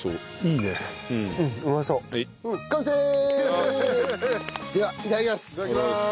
いただきます！